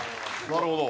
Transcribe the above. なるほど。